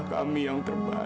berikanlah kami yang terbaik